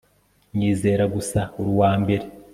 nyizera gusa uri uwambere